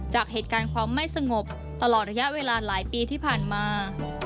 จากเหตุการณ์ความไม่สงบตลอดระยะเวลาหลายปีที่ผ่านมา